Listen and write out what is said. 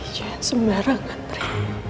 jangan sembarang andre